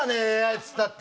っつったって。